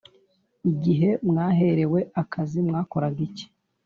Igihe mwaherewe akazi mwakoraga iki